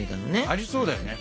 ありそうだよね。